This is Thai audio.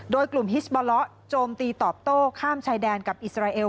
โดยกลุ่มฮิสบอลละโจมตีตอบโต้ข้ามชายแดนกับอิสราเอล